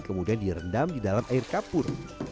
kemudian direndam di dalam air kapur